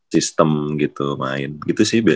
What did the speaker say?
sistem gitu main gitu sih